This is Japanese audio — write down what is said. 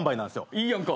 いいやんか。